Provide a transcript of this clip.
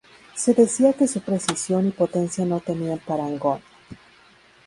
Se decía que su precisión y potencia no tenían parangón.